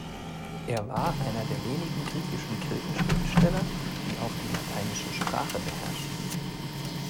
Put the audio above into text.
Er war einer der wenigen griechischen Kirchenschriftsteller, die auch die lateinische Sprache beherrschten.